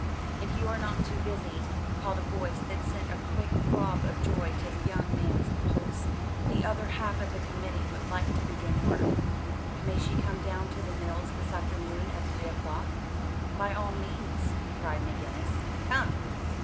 "If you are not too busy," called a voice that sent a quick throb of joy to the young man's pulse, "the other half of the committee would like to begin work. May she come down to the mills this afternoon at three o'clock?" "By all means!" cried McGinnis. "Come."